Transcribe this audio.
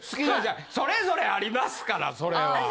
それぞれありますからそれは。